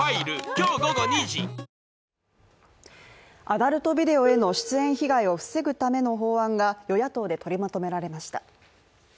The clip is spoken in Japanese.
アダルトビデオへの出演被害を防ぐための法案が与野党で取りまとめられました。